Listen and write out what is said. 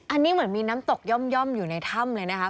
อันนี้เหมือนมีน้ำตกย่อมอยู่ในถ้ำเลยนะคะ